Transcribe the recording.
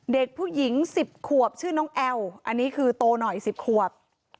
เด็กผู้หญิง๑๐ขวบชื่อน้องแอลอันนี้คือโตหน่อย๑๐ขวบ